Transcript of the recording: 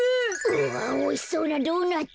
うわっおいしそうなドーナツ。